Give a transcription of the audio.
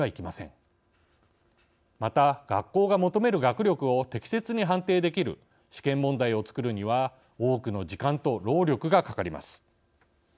また、学校が求める学力を適切に判定できる試験問題を作るには多くの時間と労力がかかります。